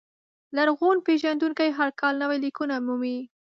لرغون پېژندونکي هر کال نوي لیکونه مومي.